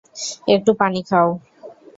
একটু পানি খাও।